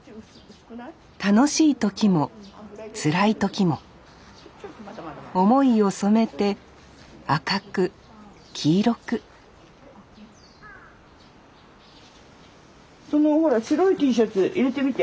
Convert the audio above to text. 楽しい時もつらい時も思いを染めて赤く黄色くそのほら白いＴシャツ入れてみて。